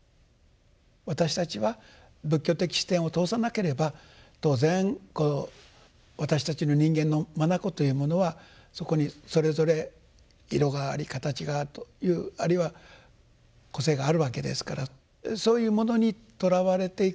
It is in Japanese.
私たちは仏教的視点を通さなければ当然私たちの人間の眼というものはそこにそれぞれ色があり形があるというあるいは個性があるわけですからそういうものにとらわれていく。